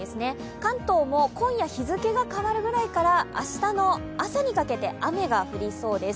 関東も今夜、日付が変わるくらいから明日の朝にかけて雨が降りそうです。